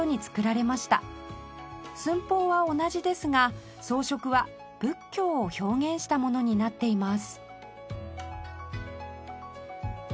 寸法は同じですが装飾は仏教を表現したものになっています